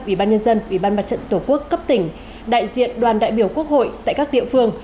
ủy ban nhân dân ủy ban mặt trận tổ quốc cấp tỉnh đại diện đoàn đại biểu quốc hội tại các địa phương